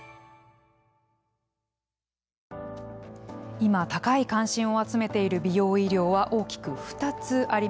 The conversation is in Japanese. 今、高い関心を集めている美容医療は、大きく２つあります。